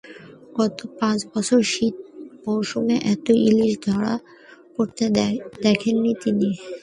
গত পাঁচ বছরে শীত মৌসুমে এত ইলিশ ধরা পড়তে দেখেননি তিনি।